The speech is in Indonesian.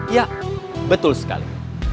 ya betul sekali